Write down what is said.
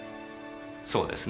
そうですね？